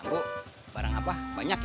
oh barang apa banyak ya